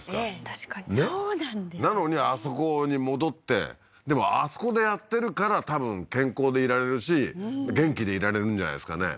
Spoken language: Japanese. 確かにそうなんですよねなのにあそこに戻ってでもあそこでやってるから多分健康でいられるし元気でいられるんじゃないですかね